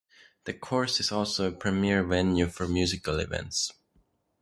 The course is also a premier venue for musical events.